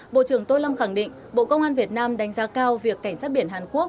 bộ trưởng tô lâm khẳng định bộ công an việt nam đánh giá cao việc cảnh sát biển hàn quốc